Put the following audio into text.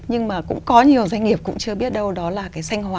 nhưng mà cũng có nhiều doanh nghiệp cũng chưa biết đâu đó là cái xanh hóa